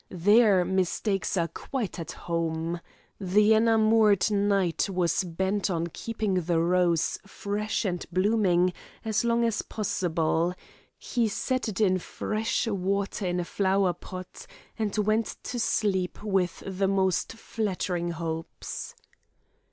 There mistakes are quite at home. The enamoured knight was bent on keeping the rose fresh and blooming as long as possible; he set it in fresh water in a flower pot, and went to sleep with the most flattering hopes.